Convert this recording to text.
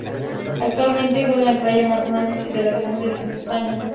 Actualmente juega en el Rayo Majadahonda de la Segunda División de España.